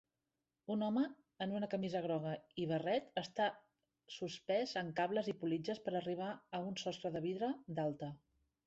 Un home en una camisa groga i barret està suspès en cables i politges per arribar a un sostre de vidre d'alta